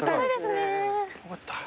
よかった。